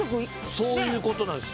そういうことなんです。